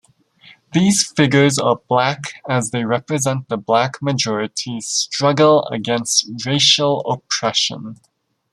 These figures are black as they represent the black majorities struggle against racial oppression.